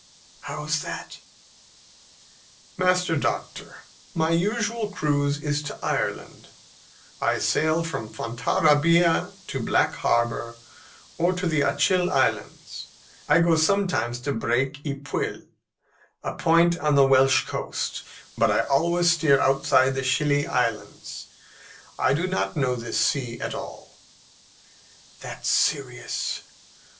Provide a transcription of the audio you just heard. "How is that?" "Master Doctor, my usual cruise is to Ireland. I sail from Fontarabia to Black Harbour or to the Achill Islands. I go sometimes to Braich y Pwll, a point on the Welsh coast. But I always steer outside the Scilly Islands. I do not know this sea at all." "That's serious.